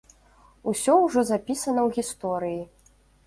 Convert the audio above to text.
Усё ўжо запісана ў гісторыі.